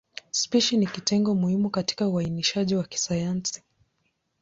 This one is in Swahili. Spishi ni kitengo muhimu katika uainishaji wa kisayansi.